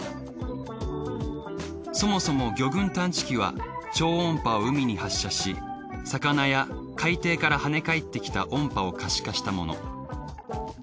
そもそも魚群探知機は超音波を海に発射し魚や海底から跳ね返ってきた音波を可視化したもの。